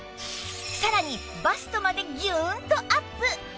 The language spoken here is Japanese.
さらにバストまでぎゅーんとアップ！